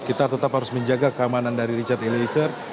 kita tetap harus menjaga keamanan dari richard eliezer